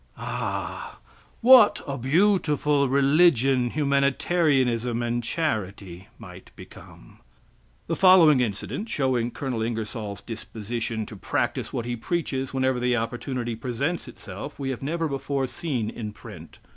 Ah, what a beautiful religion humanitarianism and charity* might become! [* The following incident, showing Col. Ingersoll's disposition to practice what he preaches whenever the opportunity presents itself, we have never before seen in print.